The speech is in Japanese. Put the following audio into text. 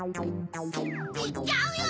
いっちゃうよ？